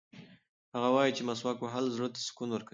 هغه وایي چې مسواک وهل زړه ته سکون ورکوي.